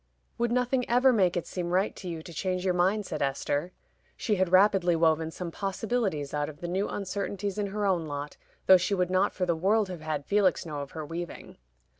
"Would nothing ever make it seem right to you to change your mind?" said Esther (she had rapidly woven some possibilities out of the new uncertainties in her own lot, though she would not for the world have had Felix know of her weaving).